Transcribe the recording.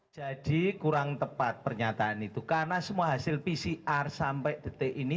jadi kurang tepat pernyataan itu karena semua hasil pcr sampai detik ini